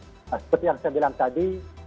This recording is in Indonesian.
nah seperti yang saya bilang tadi